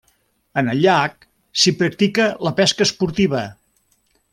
En el llac s'hi practica la pesca esportiva.